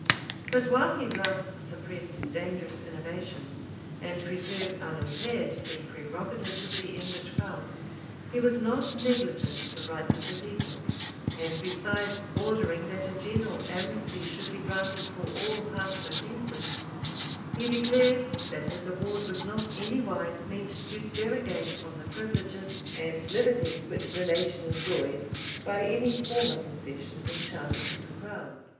But while he thus suppressed dangerous innovations, and preserved unimpaired the prerogatives of the English crown, he was not negligent of the rights of the people; and besides ordering that a general amnesty should be granted for all past offences, he declared, that his award was not anywise meant to derogate from the privileges and liberties which the nation enjoyed by any former concessions or charters of the crown.